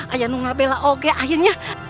ayahnya gak bela oke akhirnya